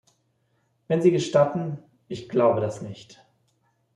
Wenn Sie gestatten, ich glaube das nicht.